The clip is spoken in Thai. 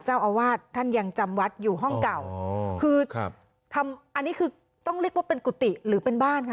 เจ้าอาวาสท่านยังจำวัดอยู่ห้องเก่าอ๋อคือครับทำอันนี้คือต้องเรียกว่าเป็นกุฏิหรือเป็นบ้านค่ะ